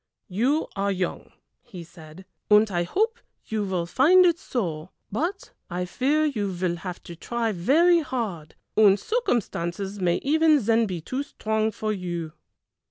"You are young," he said, "and I hope you will find it so, but I fear you will have to try very hard, and circumstances may even then be too strong for you."